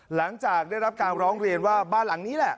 หลังจากได้รับการร้องเรียนว่าบ้านหลังนี้แหละ